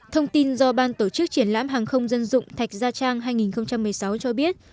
thông tin do ban tổ chức triển lãm hàng không dân dụng thạch gia trang hai nghìn một mươi sáu cho biết